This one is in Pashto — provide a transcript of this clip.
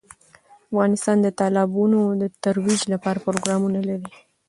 افغانستان د تالابونه د ترویج لپاره پروګرامونه لري.